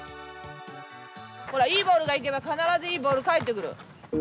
ほらいいボールが行けば必ずいいボール返ってくる。